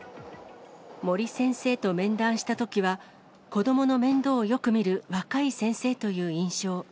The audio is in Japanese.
森先生と面談したときは、子どもの面倒をよく見る若い先生という印象。